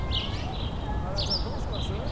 新井さんどうします？